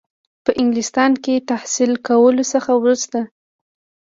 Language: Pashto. په انګلستان کې تحصیل کولو څخه وروسته.